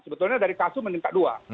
sebetulnya dari kasus meningkat dua